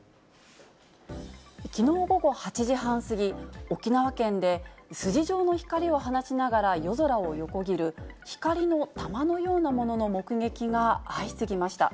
きのう午後８時半過ぎ、沖縄県で筋状の光を放ちながら夜空を横切る、光の玉のようなものの目撃が相次ぎました。